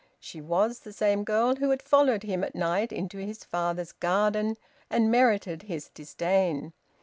She was the same girl who had followed him at night into his father's garden and merited his disdain.